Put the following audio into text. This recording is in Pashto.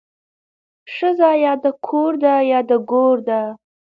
ښځه يا د کور ده يا د ګور ده